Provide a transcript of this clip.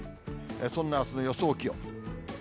そんなあすの予想気温。